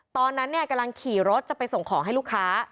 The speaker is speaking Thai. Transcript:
ตอนนั้นเนี่ยกำลังขี่รถจะไปส่งของให้ลูกค้า